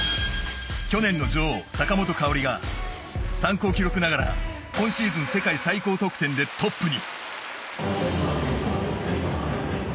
去年の女王・坂本花織が参考記録ながら今シーズン世界最高得点でトップに。